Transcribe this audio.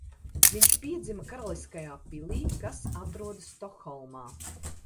Viņš piedzima Karaliskajā pilī, kas atrodas Stokholmā.